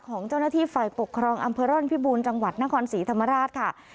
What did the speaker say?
ของเจ้าหน้าที่ฝ่ายปกครองอำเภอร่อนพิบูรณ์จังหวัดนครศรีธรรมราชค่ะ